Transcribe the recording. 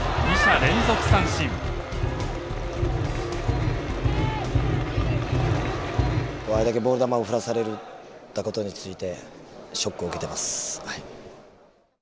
あれだけボール球を振らされたことについてショックを受けてますはい。